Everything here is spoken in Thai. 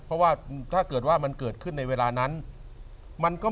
เพราะว่าถ้าเกิดว่ามันเกิดขึ้นในเวลานั้นมันก็